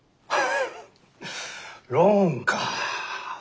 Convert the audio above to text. ローンか。